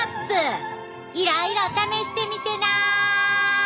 いろいろ試してみてな。